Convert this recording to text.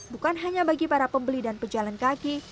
bukan hanya bagi para pembeli dan pejalan kaki